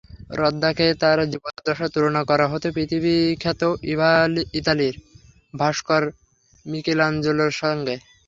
রদ্যাঁকে তাঁর জীবদ্দশায় তুলনা করা হতো পৃথিবীখ্যাত ইতালীয় ভাস্কর মিকেলাঞ্জেলোর সঙ্গে।